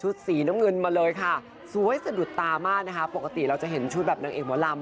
สีน้ำเงินมาเลยค่ะสวยสะดุดตามากนะคะปกติเราจะเห็นชุดแบบนางเอกหมอลำ